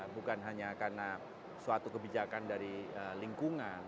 bukan hanya karena suatu kebijakan dari lingkungan